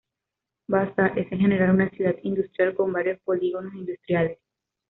Vaasa es en general una ciudad industrial, con varios polígonos industriales.